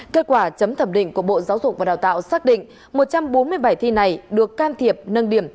kết quả chấm thẩm định của bộ giáo dục và đào tạo xác định một trăm bốn mươi bài thi này được can thiệp nâng điểm